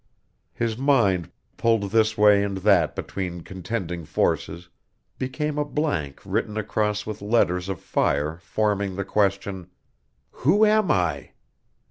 His mind pulled this way and that between contending forces, became a blank written across with letters of fire forming the question: "Who am I?"